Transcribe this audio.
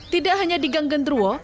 tidak hanya di gang gendruwo